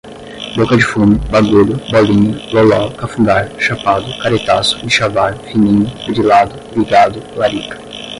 boca de fumo, bagulho, bolinha, loló, cafungar, chapado, caretaço, dichavar, fininho, grilado, ligado, larica